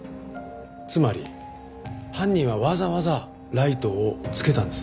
つまり犯人はわざわざライトをつけたんです。